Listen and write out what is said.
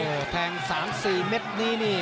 โอ้โหแทงสามสี่เม็ดนี้นี่